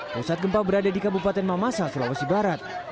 pusat gempa berada di kabupaten mamasa sulawesi barat